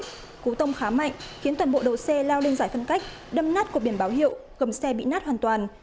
cú tông khá mạnh khiến toàn bộ đầu xe lao lên giải phân cách đâm nát của biển báo hiệu gầm xe bị nát hoàn toàn